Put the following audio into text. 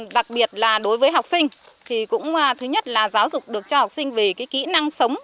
đặc biệt là đối với học sinh thì cũng thứ nhất là giáo dục được cho học sinh về kỹ năng sống